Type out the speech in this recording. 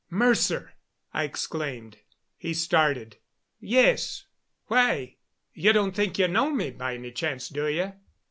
"Mercer!" I exclaimed. He started. "Yes why? You don't think you know me, by any chance, do you?"